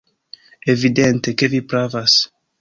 Evidente, ke vi pravas!